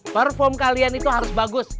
perform kalian itu harus bagus